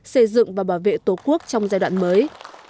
xây dựng và bảo vệ tổ quốc trong giai đoạn mới